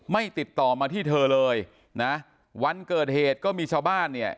ติดต่อมาที่เธอเลยนะวันเกิดเหตุก็มีชาวบ้านเนี่ย